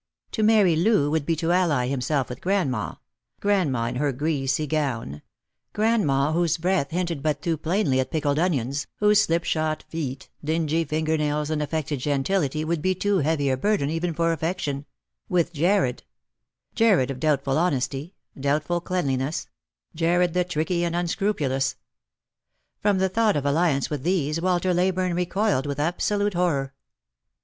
To marry Loo would be to ally himself with grandma — grandma in her greasy gown; grandma whose breath hinted but too plainly at pickled onions, whose slipshod feet, dingy finger nails, and affected gentility would be too heavy a burden even for affection — with Jarred ; Jarred of doubtful honesty, doubtful cleanliness : Jarred the tricky and unscrupulous. From the thought of alliance with these Walter Leyburne recoiled with absolute horror.